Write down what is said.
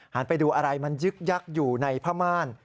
ไปดูอะไรมันยึกยักษ์อยู่ในผ้าม่าน